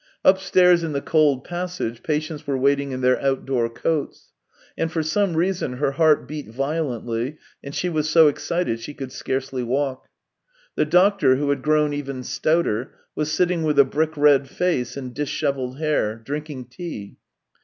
Upstairs in the cold passage patients were waiting in their outdoor coats. And for some reason her heart beat violently, and she was so excited she could scarcely walk. The doctor, who had grown even stouter, was sitting with a brick red face and dishevelled hair, drinking tea.